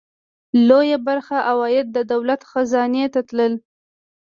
لویه برخه عواید د دولت خزانې ته تلل.